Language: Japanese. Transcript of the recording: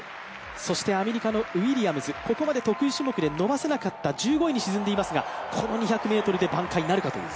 そしてアメリカのウィリアムズ、ここまで得意種目で伸ばせなかった、１５位に沈んでいますが、この２００ｍで挽回なるか？